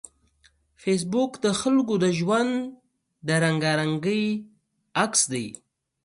فېسبوک د خلکو د ژوند د رنګارنګۍ عکس دی